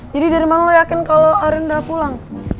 jadi dari mana lo yakin kalo arin udah pulang